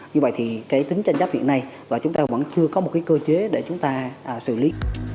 như vậy thì cái tính tranh chấp hiện nay và chúng ta vẫn chưa có một cái cơ chế để chúng ta xử lý